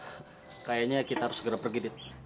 dit kayaknya kita harus segera pergi dit